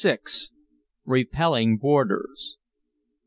REPELLING BOARDERS.